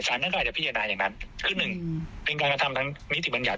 ท่านก็อาจจะพิจารณาอย่างนั้นคือหนึ่งเป็นการกระทำทางนิติบัญญัติ